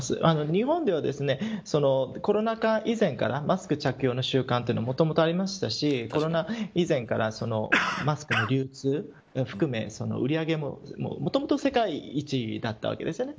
日本では、コロナ禍以前からマスク着用の習慣がもともとありましたしコロナ以前からマスクの流通を含め売上ももともと世界１位だったわけですよね。